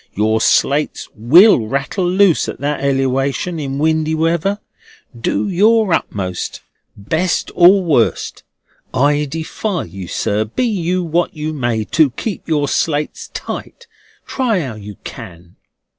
Your slates WILL rattle loose at that elewation in windy weather, do your utmost, best or worst! I defy you, sir, be you what you may, to keep your slates tight, try how you can."